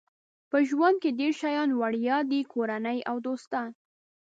په ژوند کې ډېر شیان وړیا دي کورنۍ او دوستان.